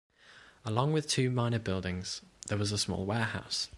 Along with two minor buildings, there was a small warehouse.